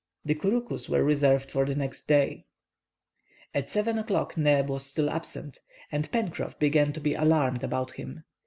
The couroucous were reserved for the next day. At 7 o'clock Neb was still absent, and Pencroff began to be alarmed about him.